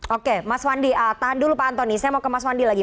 oke mas wandi tahan dulu pak antoni saya mau ke mas wandi lagi